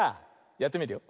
やってみるよ。